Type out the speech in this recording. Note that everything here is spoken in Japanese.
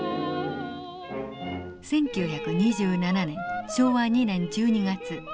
１９２７年昭和２年１２月。